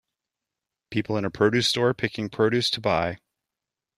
People in a produce store picking produce to buy